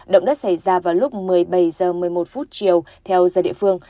động đất xảy ra vào lúc một mươi bảy h một mươi một phút chiều theo giờ địa phương